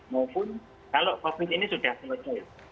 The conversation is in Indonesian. maupun kalau covid sembilan belas ini sudah selesai